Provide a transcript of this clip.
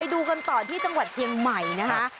ดูกันต่อที่จังหวัดเชียงใหม่นะคะ